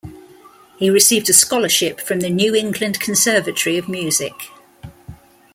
He received a scholarship from the New England Conservatory of Music.